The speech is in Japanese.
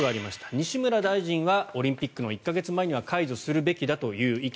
西村大臣はオリンピックの１か月前には解除するべきだという意見。